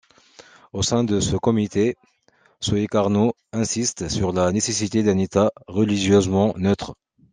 Au sein de ce comité, Soekarno insiste sur la nécessité d'un État religieusement neutre.